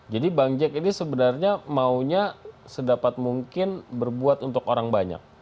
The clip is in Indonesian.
jadi bang jack ini sebenarnya maunya sedapat mungkin berbuat untuk orang banyak